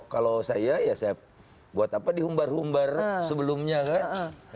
kalau saya ya saya buat apa dihumbar humbar sebelumnya kan